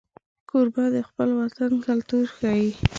کوربه د خپل وطن کلتور ښيي.